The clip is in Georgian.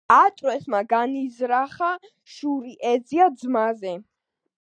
ატრევსმა განიზრახა შური ეძია ძმაზე.